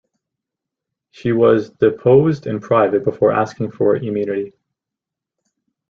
She was deposed in private before asking for immunity.